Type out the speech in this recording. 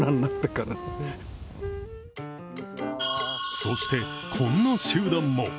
そして、こんな集団も。